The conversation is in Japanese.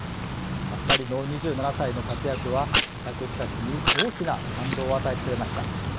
２人の２７歳の活躍は私たちに大きな感動を与えてくれました。